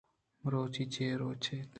مرچی چے روچ اِنت؟